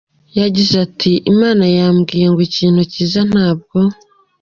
Yagize ati “Imana yambwiye ngo ikintu gishya ntabwo